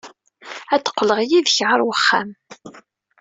Ad d-qqleɣ yid-k ɣer uxxam.